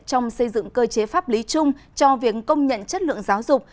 trong xây dựng cơ chế pháp lý chung cho việc công nhận chất lượng giáo dục